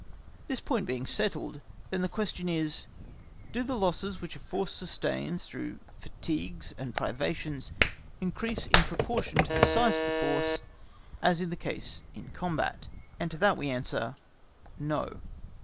This point being settled, then the question is, Do the losses which a force sustains through fatigues and privations increase in proportion to the size of the force, as is the case in a combat? And to that we answer "No."